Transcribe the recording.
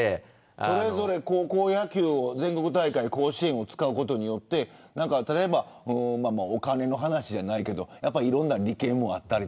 それぞれ高校野球全国大会で甲子園を使うことでお金の話じゃないけどいろんな利権もある。